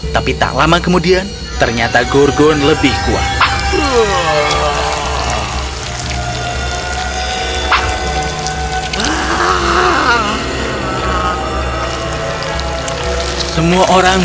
tapi tak lama kemudian ternyata gorgon lebih kuat